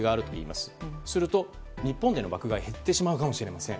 すると、日本での爆買いが減ってしまうかもしれません。